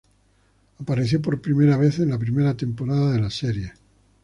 Apareció por primera vez en la primera temporada de la serie.